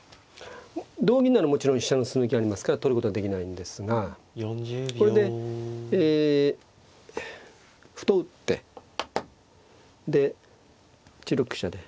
同銀ならもちろん飛車の素抜きありますから取ることができないんですがこれでえ歩と打ってで８六飛車で。